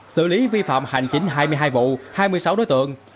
xử lý vi phạm hành chính hai mươi hai vụ hai mươi sáu đối tượng